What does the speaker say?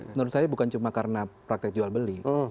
menurut saya bukan cuma karena praktek jual beli